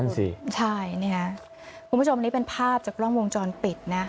นั่นสิใช่คุณผู้ชมนี้เป็นภาพจากล้องวงจรปิดนะ